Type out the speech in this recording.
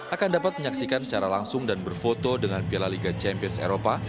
akan dapat menyaksikan secara langsung dan berfoto dengan piala liga champions eropa